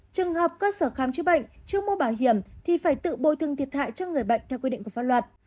trường hợp cơ sở khám chữa bệnh chưa mua bảo hiểm thì phải tự bồi thương thiệt hại cho người bệnh theo quy định của pháp luật